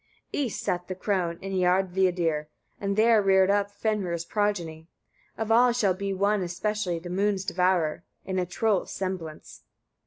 32. East sat the crone, in Iârnvidir, and there reared up Fenrir's progeny: of all shall be one especially the moon's devourer, in a troll's semblance.